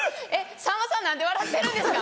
さんまさん何で笑ってるんですか？